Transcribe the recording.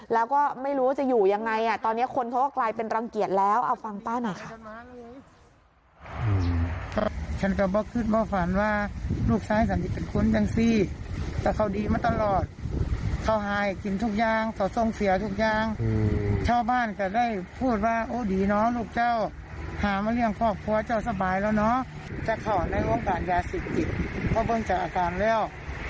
แล้วก็ไม่รู้ว่าจะอยู่ยังไงตอนนี้คนเขากลายเป็นรังเกียจแล้ว